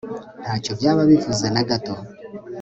ntacyo byaba bivuze na gato